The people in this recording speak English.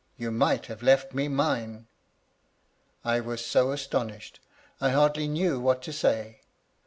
You might have left me mine.' " I was so astonished — ^I hardly knew what to say.